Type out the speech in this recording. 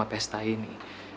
sama pesta ini